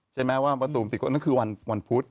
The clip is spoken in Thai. ใช่ไหมว่าวันนั้นคือวันพุธ